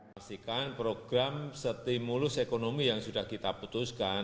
pastikan program stimulus ekonomi yang sudah kita putuskan